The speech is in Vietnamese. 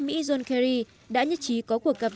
mỹ john kerry đã nhất trí có cuộc gặp